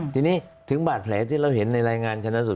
ทีนี้ถึงบาดแผลที่เราเห็นในรายงานชนะสุด